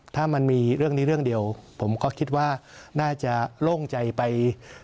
ถ้ามันมีเรื่องนี้เรื่องเดียวผมก็คิดว่าน่าจะโล่งใจไป